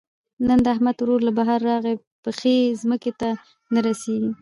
نن د احمد ورور له بهر راغی؛ پښې ځمکې ته نه رسېږي.